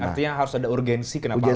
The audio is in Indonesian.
artinya harus ada urgensi kenapa harus